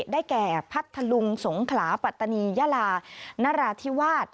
ได้แก่พัทธลุงสงขลาปัตตานียาลานราธิวาส